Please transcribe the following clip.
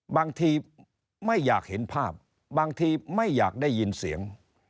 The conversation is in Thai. บางทีไม่อยากเห็นภาพบางทีไม่อยากได้ยินเสียง